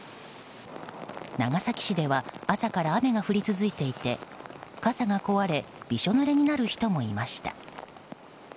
長崎市では朝から雨が降り続いていて傘が壊れびしょぬれになる人もいました。